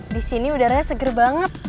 di sini udaranya seger banget